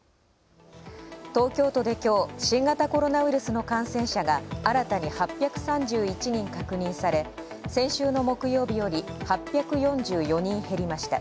東京都で今日、新型コロナウイルスの感染者が新たに８３１人確認され、先週の木曜日より８４４人減りました。